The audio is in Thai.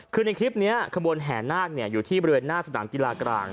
คือในคลิปนี้ขบวนแห่นาคอยู่ที่บริเวณหน้าสนามกีฬากลาง